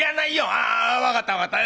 「ああ分かった分かった。